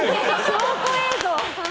証拠映像。